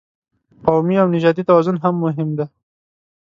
قومي او نژادي توازن هم مهم دی.